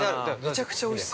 むちゃくちゃおいしそう。